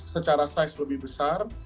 secara size lebih besar